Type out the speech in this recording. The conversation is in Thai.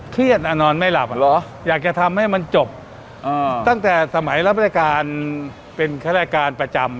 นอนไม่หลับอยากจะทำให้มันจบตั้งแต่สมัยรับราชการเป็นข้ารายการประจำ